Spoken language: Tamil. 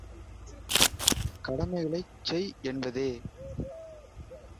கடமைகளைச் செய்! என்பதே.